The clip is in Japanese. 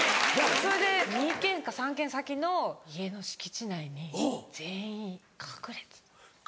それで２軒か３軒先の家の敷地内に全員隠れてた。